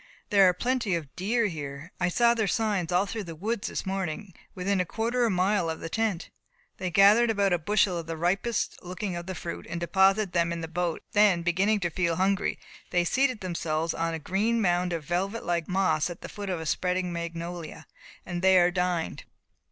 There are plenty of deer here. I saw their signs all through the woods this morning, within a quarter of a mile of the tent." They gathered about a bushel of the ripest looking of the fruit, and deposited them in the boat; then beginning to feel hungry, they seated themselves on a green mound of velvet like moss at the foot of a spreading magnolia, and there dined.